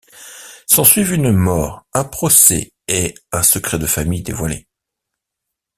S'ensuivent une mort, un procès et un secret de famille dévoilé.